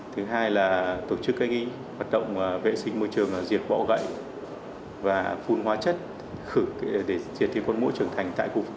thứ hai là tổ chức các nghi hoạt động vệ sinh môi trường diệt bọ gậy và phun hóa chất để diệt thiên phôn môi trường thành tại cụ phòng